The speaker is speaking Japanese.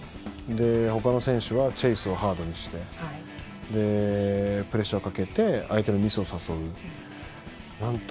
他の選手はチェイスをハードにしてプレッシャーをかけて相手のミスを誘う。